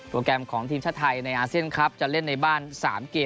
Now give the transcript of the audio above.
แกรมของทีมชาติไทยในอาเซียนครับจะเล่นในบ้าน๓เกม